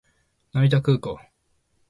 成田空港